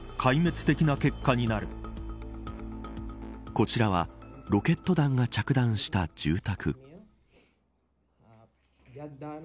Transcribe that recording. こちらはロケット弾が着弾した住宅。